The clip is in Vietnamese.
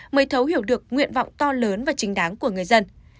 mới thấu hiểu được nguyện vọng to lớn và chính đáng của người dân